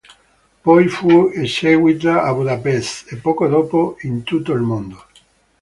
Poi fu eseguita a Budapest e poco dopo in tutto il mondo.